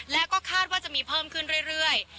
และก็คาดว่าจะมีเพิ่มขึ้นเรื่อย